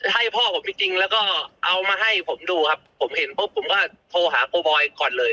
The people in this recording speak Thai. ให้พ่อผมจริงแล้วก็เอามาให้ผมดูครับผมเห็นปุ๊บผมก็โทรหาโกบอยก่อนเลย